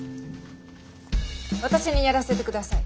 私にやらせて下さい。